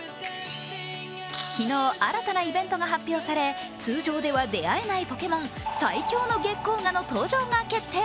昨日、新たなイベントが発表され通常では出会えないポケモン最強のゲッコウガの登場が決定。